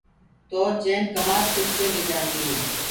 تو چين ڪمآد کِچ ڪي لي جآندي۔